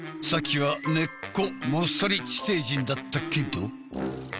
さっきは根っこもっさり地底人だったけど。